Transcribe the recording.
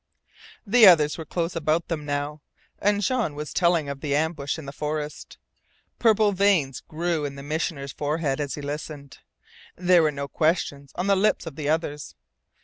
The others were close about them now, and Jean was telling of the ambush in the forest. Purple veins grew in the Missioner's forehead as he listened. There were no questions on the lips of the others.